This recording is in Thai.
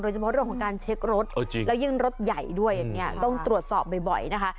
เฉพาะเรื่องของการเช็ครถแล้วยิ่งรถใหญ่ด้วยอย่างนี้ต้องตรวจสอบบ่อยนะคะ